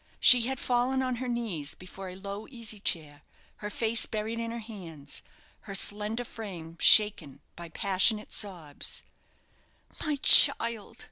She had fallen on her knees before a low easy chair her face buried in her hands, her slender frame shaken by passionate sobs. "My child!"